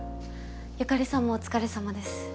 由香里さんもお疲れ様です。